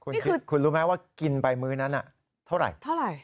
คุณคิดคุณรู้ไหมว่ากินไปมื้อนั้นเท่าไหร่เท่าไหร่